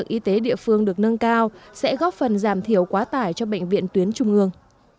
các cấp cứu đã góp phần giảm thiểu quá tải cho bệnh viện tuyến trung ương